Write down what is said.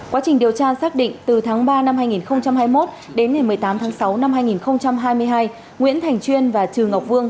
quá trình điều tra xác định từ tháng ba năm hai nghìn hai mươi một đến ngày một mươi tám tháng sáu năm hai nghìn hai mươi hai nguyễn thành chuyên và trừ ngọc vương